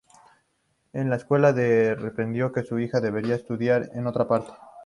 La escuela les respondió que su hija debería estudiar en otra parte.